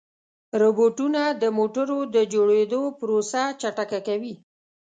روبوټونه د موټرو د جوړېدو پروسه چټکه کوي.